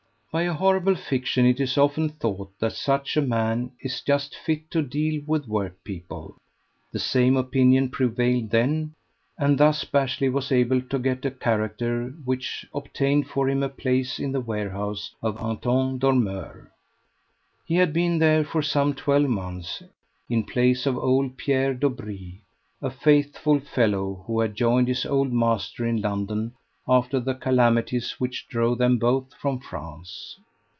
By a horrible fiction it is often thought that such a man is "just fit to deal with workpeople." The same opinion prevailed then, and thus Bashley was able to get a character which obtained for him a place in the warehouse of Anton Dormeur. He had been there for some twelve months, in place of old Pierre Dobree a faithful fellow who had joined his old master in London after the calamities which drove them both from France.